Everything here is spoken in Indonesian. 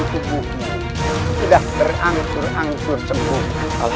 sudah tenang saja